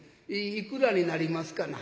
いくらになりますかな？」。